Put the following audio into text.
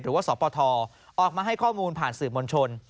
หรือว่าสภออกมาให้ข้อมูลผ่านสื่อมณชน